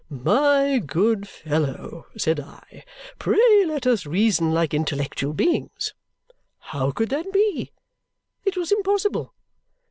'My good fellow,' said I, 'pray let us reason like intellectual beings. How could that be? It was impossible.